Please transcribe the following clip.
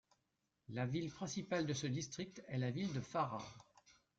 La ville principale de ce district est la ville de Farâh.